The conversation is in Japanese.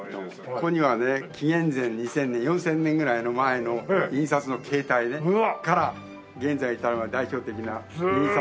ここにはね紀元前２０００年４０００年ぐらい前の印刷の形態から現在に至るまでの代表的な印刷。